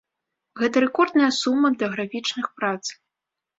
Гэта рэкордная сума для графічных прац.